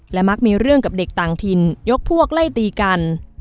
และมักมีเรื่องกับเด็กต่างถิ่นยกพวกไล่ตีกัน